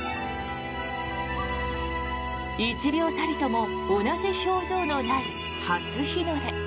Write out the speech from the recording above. １秒たりとも同じ表情のない初日の出。